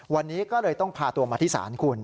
วันนี้ก็เลยต้องพาตัวมาที่ศาลคุณ